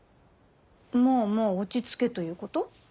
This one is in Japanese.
まぁまぁ落ち着けということ？